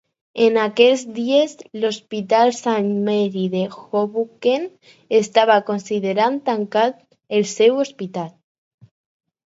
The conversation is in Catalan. En aquells dies, l'Hospital Saint Mary a Hoboken estava considerant tancar el seu hospital.